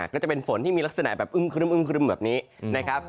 ก็จะเป็นฝนที่มีลักษณะแบบอึ้มครึ้มแบบนี้นะครับ